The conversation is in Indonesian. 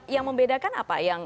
yang membedakan apa